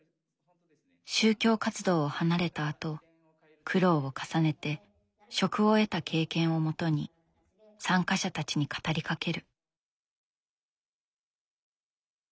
宗教活動を離れたあと苦労を重ねて職を得た経験をもとに参加者たちに語りかける。